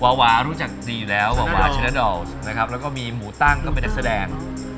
วาวารู้จักดีอยู่แล้ววาวาเชนดอลแล้วก็มีหมูตั้งก็ไม่ได้แสดง